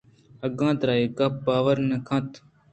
اگاں ترا اے گپّ باور نہ کنت